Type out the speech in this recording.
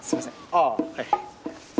あぁはい。